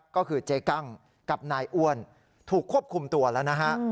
ก็คือเจ๊กั้งกับนายอ้วนถูกควบคุมตัวแล้วนะฮะ